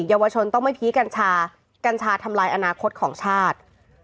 เยาวชนต้องไม่พีกัญชากัญชาทำลายอนาคตของชาติ